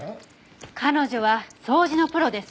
彼女は掃除のプロです。